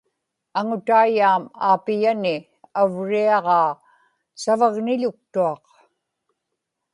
aŋutaiyaam aapiyani avriaġaa savagniḷuktuaq